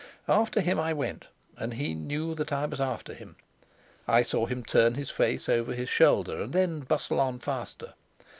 After him I went; and he knew that I was after him. I saw him turn his face over his shoulder, and then bustle on faster.